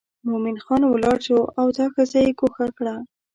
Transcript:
مومن خان ولاړ شو او دا ښځه یې ګوښه کړه.